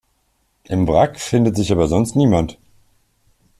Im Wrack findet sich aber sonst niemand.